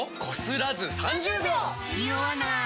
ニオわない！